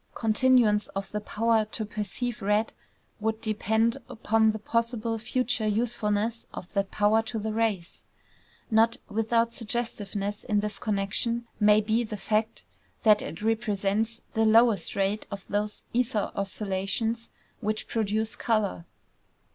Continuance of the power to perceive red would depend upon the possible future usefulness of that power to the race. Not without suggestiveness in this connection may be the fact that it represents the lowest rate of those ether oscillations which produce color.